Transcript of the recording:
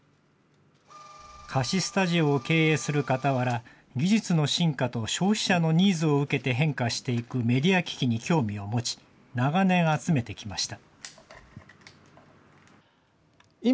貸しスタジオを経営するかたわら、技術の進化と消費者のニーズを受けて変化していくメディア機器に興味を持ち、長年集めてきました。